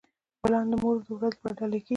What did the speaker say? ګلان د مور ورځ لپاره ډالۍ کیږي.